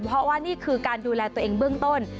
เพราะว่านี่คือการดูแลตัวเองเบื้องต้น